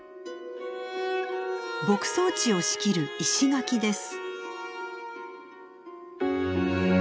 牧草地を仕切る石垣です。